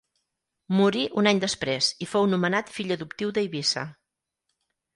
Morí un any després i fou nomenat fill adoptiu d'Eivissa.